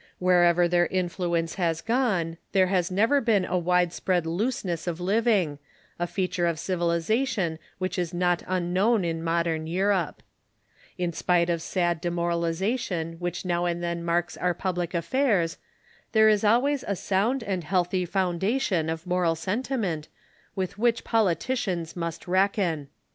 "Wherever their influence has gone there never has been Avide spread looseness of living, a feature of civilization which is 492 THE CHURCH IN THE UNITED STATES not unknown in modern Europe. In spite of sad demoraliza tion wliicl) now and then marks our public affairs, there is al ways a sound and healthy foundation of moral sentiment with which politicians must reckon.